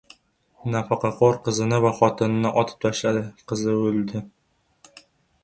Nafaqaxo‘r qizini va xotinini otib tashladi. Qizi o‘ldi